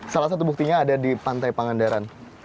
salah satu buktinya ada di pantai pangandaran